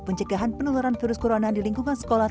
pencegahan penularan virus corona di lingkungan sekolah